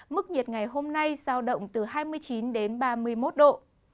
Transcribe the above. mức nhiệt ngày hôm nay giao động từ hai mươi bảy hai mươi tám độ